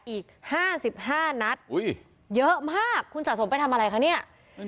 อีก๕๕นัดเยอะมากคุณสะสมไปทำอะไรคะเนี่ย